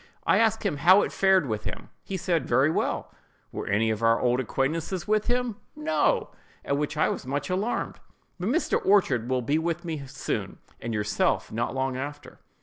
I asked him how it fared with him. He said, "Very well."—"Were any of our old acquaintances with him?"—"No!" (at which I was much alarmed), "but Mr. Orchard will be with me soon, and yourself not long after."